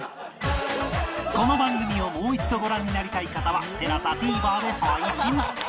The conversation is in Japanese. この番組をもう一度ご覧になりたい方は ＴＥＬＡＳＡＴＶｅｒ で配信